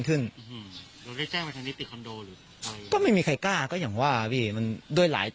ครึ่งนึงอะ